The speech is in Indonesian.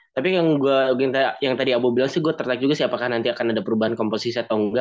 tapi yang tadi abu bilang sih gue tertarik juga sih apakah nanti akan ada perubahan komposisi atau enggak